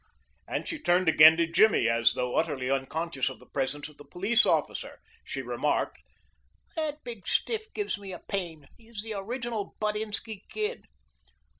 And she turned again to Jimmy, and as though utterly unconscious of the presence of the police officer, she remarked, "That big stiff gives me a pain. He's the original Buttinsky Kid."